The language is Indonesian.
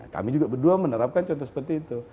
kami juga berdua menerapkan contoh seperti itu